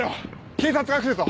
警察が来るぞ！